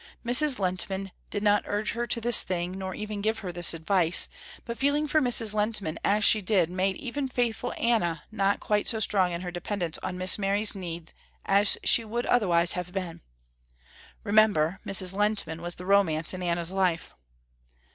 Mrs. Lehntman did not urge her to this thing nor even give her this advice, but feeling for Mrs. Lehntman as she did made even faithful Anna not quite so strong in her dependence on Miss Mary's need as she would otherwise have been. Remember, Mrs. Lehntman was the romance in Anna's life.